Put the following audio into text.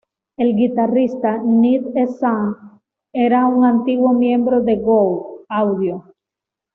El guitarrista Nick Tsang, era un antiguo miembro de "Go: Audio.